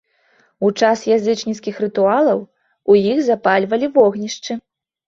У час язычніцкіх рытуалаў у іх запальвалі вогнішчы.